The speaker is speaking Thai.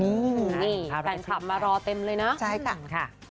นี่แฟนคลับมารอเต็มเลยนะใช่ค่ะ